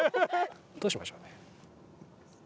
どうしましょうね？